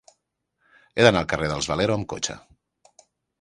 He d'anar al carrer dels Valero amb cotxe.